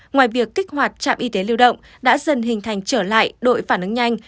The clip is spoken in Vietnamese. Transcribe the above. ngoài việc kích hoạt trạm y tế lưu động đã dần hình thành trở lại đội phản ứng nhanh